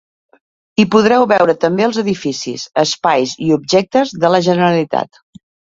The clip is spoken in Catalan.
Hi podreu veure també els edificis, espais i objectes de la Generalitat.